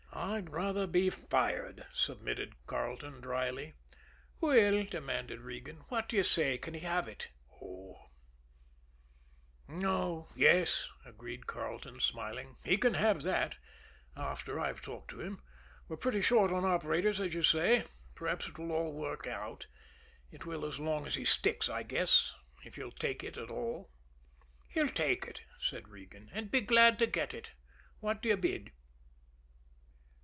"I'd rather be fired," submitted Carleton dryly. "Well," demanded Regan, "what do you say? Can he have it?" "Oh, yes," agreed Carleton, smiling. "He can have that after I've talked to him. We're pretty short of operators, as you say. Perhaps it will work out. It will as long as he sticks, I guess if he'll take it at all." "He'll take it," said Regan, "and be glad to get it. What do you bid?"